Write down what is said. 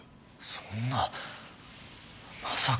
そんなまさか。